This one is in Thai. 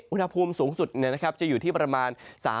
อุณหภูมิสูงสุดจะอยู่ที่ประมาณ